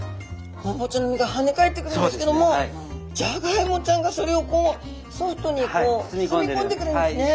ホウボウちゃんの身が跳ね返ってくるんですけどもジャガイモちゃんがそれをこうソフトにこう包み込んでくれるんですね。